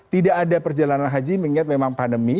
tidak ada perjalanan haji mengingat memang pandemi